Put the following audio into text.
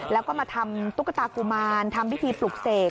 แล้วก็มาทำตุ๊กตากุมารทำพิธีปลุกเสก